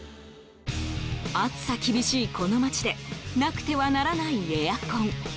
暑さ厳しいこの街でなくてはならないエアコン。